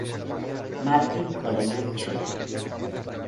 Martin Coleman, Jr.